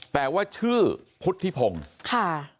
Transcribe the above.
แต่ว่าชื่อพุทธิพงศ์ค่ะ